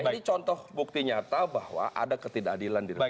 ini contoh bukti nyata bahwa ada ketidakadilan di republik